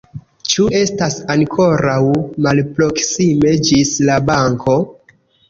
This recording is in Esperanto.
Ĉu estas ankoraŭ malproksime ĝis la banko?